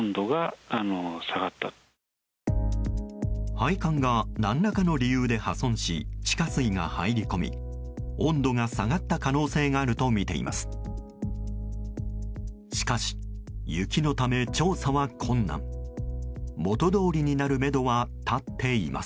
配管が何らかの理由で破損し地下水が入り込み温度が下がった可能性があるとみています。